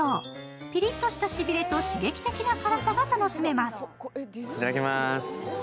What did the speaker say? ピリッとしたしびれと刺激的な辛さが楽しめます。